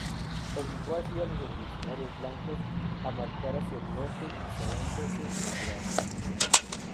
Obligó así a los revolucionarios blancos a marchar hacia el Norte, instalándose en Durazno.